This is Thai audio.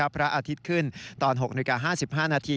พระอาทิตย์ขึ้นตอน๖นาฬิกา๕๕นาที